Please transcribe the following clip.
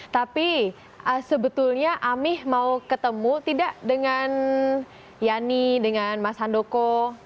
tapi sebetulnya amih mau ketemu tidak dengan yani dengan mas handoko